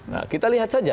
nah kita lihat saja